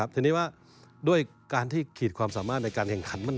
ทีนี้ว่าด้วยการที่ขีดความสามารถในการแข่งขัน